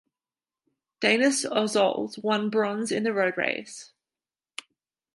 Dainis Ozols won bronze in the road race.